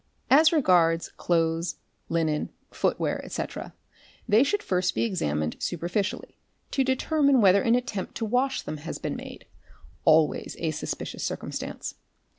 As regards clothes, linen, footware, etc., they should first be examined superficially to determine whether an attempt to wash them has been made, always a suspicious circumstance.